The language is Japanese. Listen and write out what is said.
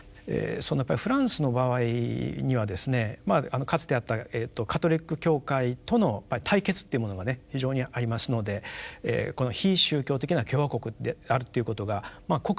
やっぱフランスの場合にはですねかつてあったカトリック教会との対決というものがね非常にありますのでこの非宗教的な共和国であるということが国是にもなっているわけです。